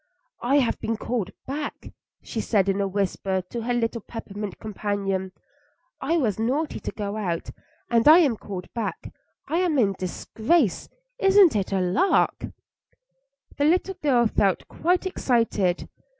"I have been called back," she said in a whisper to her little peppermint companion. "I was naughty to go out, and I am called back. I am in disgrace. Isn't it a lark?" The little girl felt quite excited.